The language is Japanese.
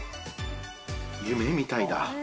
夢みたいだ。